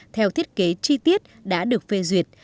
theo thiết kế chi tiết